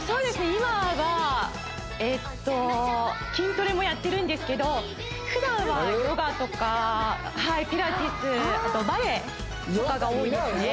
今は筋トレもやってるんですけど普段はヨガとかピラティスあとバレエとかが多いですね